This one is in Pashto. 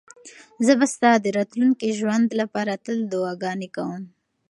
زه به ستا د راتلونکي ژوند لپاره تل دعاګانې کوم.